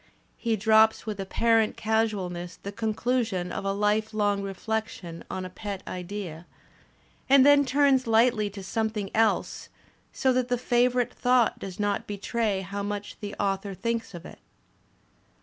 He drops with apparent casualness the conclusion of a life long reflection on a pet idea, a^d then turns lightly to something else, so that the favourite thought does not betray how much the author thinks of it.